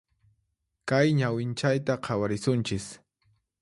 Kay ñawinchayta khawarisunchis.